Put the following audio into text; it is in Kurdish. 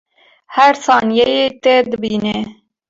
Her saniyeyê te dibîne